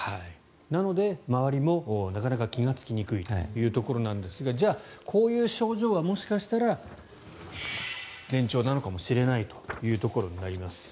なので、周りもなかなか気がつきにくいというところなんですがじゃあ、こういう症状がもしかしたら前兆なのかもしれないというところになります。